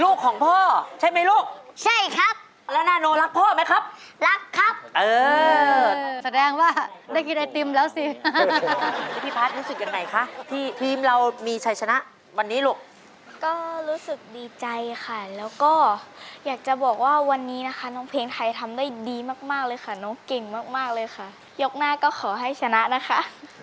ลูกของพ่อใช่ไหมลูกใช่ครับแล้วนาโนรักพ่อไหมครับรักครับเออแสดงว่าได้กินไอติมแล้วสิพี่พัฒน์รู้สึกยังไงคะที่ทีมเรามีชัยชนะวันนี้ลูกก็รู้สึกดีใจค่ะแล้วก็อยากจะบอกว่าวันนี้นะคะน้องเพลงไทยทำได้ดีมากมากเลยค่ะน้องเก่งมากมากเลยค่ะยกหน้าก็ขอให้ชนะนะคะ